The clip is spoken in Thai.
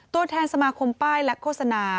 ตัวแทนสมาคมป้ายและโฆษณา